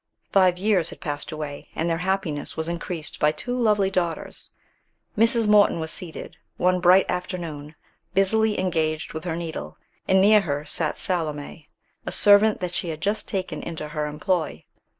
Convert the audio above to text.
Five years had passed away, and their happiness was increased by two lovely daughters. Mrs. Morton was seated, one bright afternoon, busily engaged with her needle, and near her sat Salome, a servant that she had just taken into her employ.